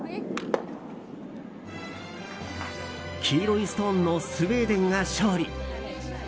黄色いストーンのスウェーデンが勝利。